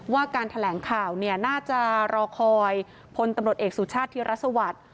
ว่าการแถลงข่าวเนี่ยน่าจะรอคอยพลตำรวจเอกสุชาติธิรสวัสดิ์